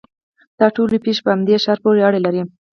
دا ټولې پېښې په همدې ښار پورې اړه لري.